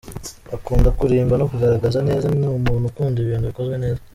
Akunda kurimba no kugaragara neza ,ni umuntu ukunda ibintu bikozwe neza.